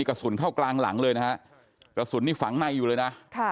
กระสุนเข้ากลางหลังเลยนะฮะกระสุนนี่ฝังในอยู่เลยนะ